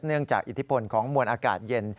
จากอิทธิพลของมวลอากาศเย็น